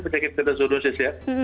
penyakit zoonosis ya